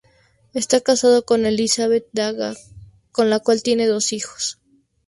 Está casado con Elizabeth Daga, con la cual tiene dos hijos.